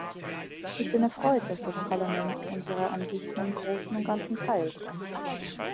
Ich bin erfreut, dass das Parlament unsere Ansichten im Großen und Ganzen teilt.